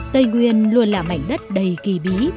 tây nguyên luôn là mảnh đất đầy kỳ bí